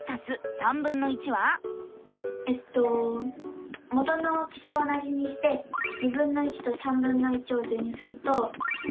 えっと元の大きさは同じにしてとを図にすると。